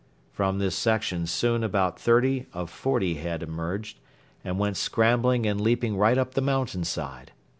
From this section soon about thirty of forty head emerged and went scrambling and leaping right up the mountain side.